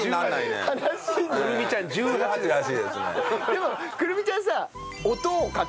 でもくるみちゃんさ。